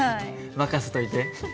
任せといて。